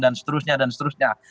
dan seterusnya dan seterusnya